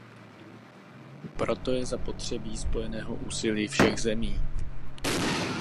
Proto je zapotřebí spojeného úsilí všech zemí.